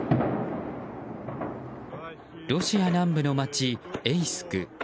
ロシア南部の街、エイスク。